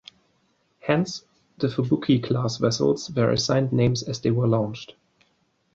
Hence, the "Fubuki"-class vessels were assigned names as they were launched.